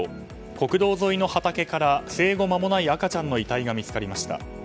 国道沿いの畑から生後間もない赤ちゃんの遺体が見つかりました。